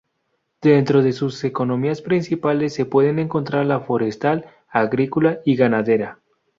Dentro de sus economías principales se puede encontrar la forestal, agrícola y ganadera.